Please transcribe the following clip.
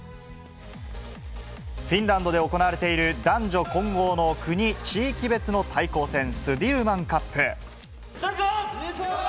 フィンランドで行われている男女混合の国・地域別の対抗戦、スディルマンカップ。